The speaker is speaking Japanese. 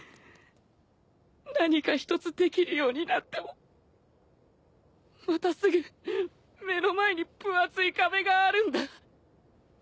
何か一つできるようになってもまたすぐ目の前に分厚い壁があるんだ。